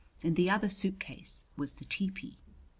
In the other suitcase was the tepee.